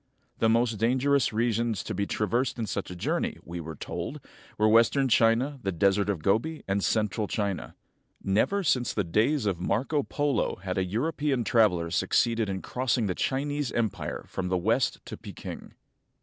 The most dangerous regions to be traversed in such a journey, we were told, were western China, the Desert of Gobi, and central China. Never since the days of Marco Polo had a European traveler succeeded in crossing the Chinese empire from the west to Peking.